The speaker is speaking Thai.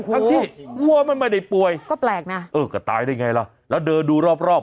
ทั้งที่วัวมันไม่ได้ป่วยก็แปลกนะเออก็ตายได้ไงล่ะแล้วเดินดูรอบรอบ